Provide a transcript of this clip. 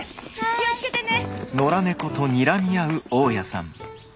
気を付けてね。